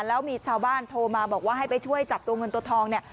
แล้วมีชาวบ้านโทรมาบอกว่าให้ไปช่วยจับตัวเงินตัวทองเนี่ย